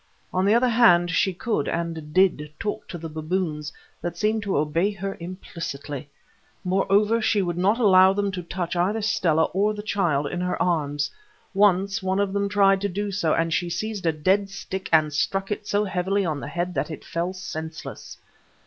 On the other hand, she could, and did, talk to the baboons, that seemed to obey her implicitly. Moreover, she would not allow them to touch either Stella or the child in her arms. Once one of them tried to do so, and she seized a dead stick and struck it so heavily on the head that it fell senseless.